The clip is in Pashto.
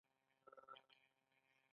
هغه نشي کولای خپل ذاتي استعدادونه وغوړوي.